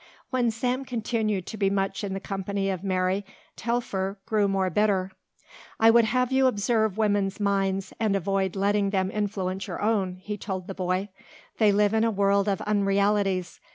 When Sam continued to be much in the company of Mary, Telfer grew more bitter. "I would have you observe women's minds and avoid letting them influence your own," he told the boy. "They live in a world of unrealities.